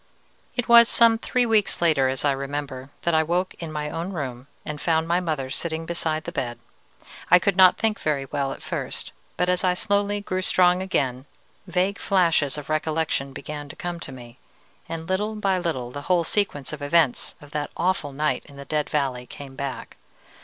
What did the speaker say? "It was some three weeks later, as I remember, that I awoke in my own room, and found my mother sitting beside the bed. I could not think very well at first, but as I slowly grew strong again, vague flashes of recollection began to come to me, and little by little the whole sequence of events of that awful night in the Dead Valley came back.